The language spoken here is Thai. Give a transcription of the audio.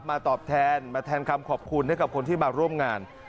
ตอบแทนมาแทนคำขอบคุณให้กับคนที่มาร่วมงาน